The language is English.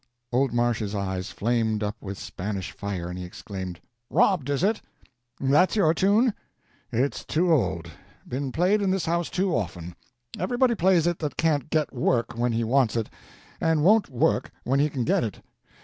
Old Marsh's eyes flamed up with Spanish fire, and he exclaimed: "Robbed, is it? That's your tune? It's too old—been played in this house too often; everybody plays it that can't get work when he wants it, and won't work when he can get it.